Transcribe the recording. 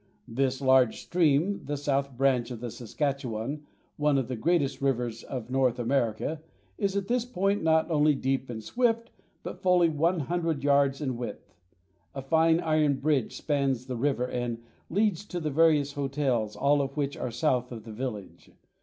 This large stream, the south branch of the Saskatchewan, one of the greatest rivers of North America, is at this point not only deep and swift but fully one hundred yards in width. A fine iron bridge spans the river and leads to the various hotels all of which are south of the village.